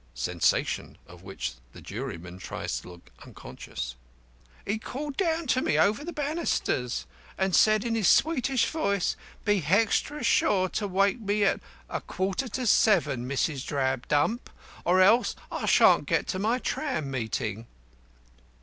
(Sensation, of which the juryman tries to look unconscious.) WITNESS: He called down to me over the banisters, and says in his sweetish voice, "Be hextra sure to wake me at a quarter to seven, Mrs. Drabdump, or else I shan't get to my tram meeting."